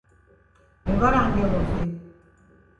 მე ვარ ანგელოზი